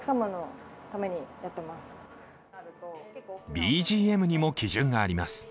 ＢＧＭにも基準があります。